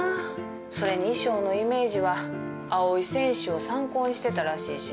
それに衣装のイメージは青井選手を参考にしてたらしいしな。